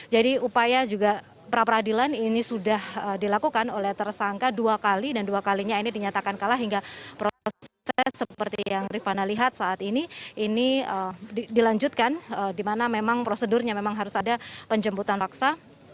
jadi upaya juga pra peradilan ini sudah dilakukan oleh tersangka dua kali dan dua kalinya ini dinyatakan kalah hingga proses seperti yang rifana lihat saat ini ini dilanjutkan dimana memang prosedurnya memang harus ada penjemputan paksa